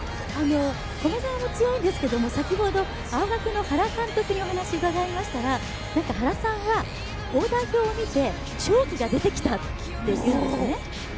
駒澤も強いんですけれども先ほど青学の原監督にお話を伺いましたら原さんはオーダー表を見て勝機が出てきたというんですね。